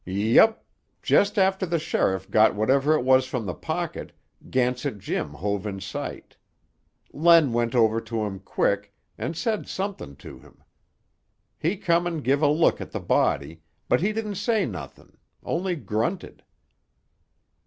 "Yep. Just after the sheriff got whatever it was from the pocket, Gansett Jim hove in sight. Len went over to him quick, an' said somethin' to him. He come and give a look at the body. But he didn't say nothing. Only grunted."